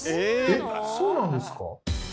えっそうなんですか？